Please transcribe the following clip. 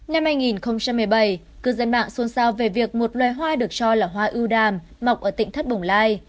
năm hai nghìn một mươi bảy cư dân mạng xôn xao về việc một loài hoa được cho là hoa ưu đàm mọc ở tỉnh thất bồng lai